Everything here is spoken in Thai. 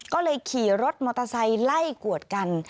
ก็เลยขี่รถมอเตอร์ไซค์ไล่กวดกัน